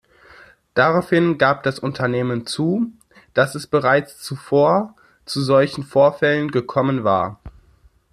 Daraufhin gab das Unternehmen zu, dass es bereits zuvor zu solchen Vorfällen gekommen war.